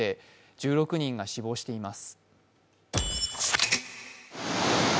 １６人が死亡しています。